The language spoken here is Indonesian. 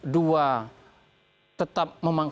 dua tetap memangkam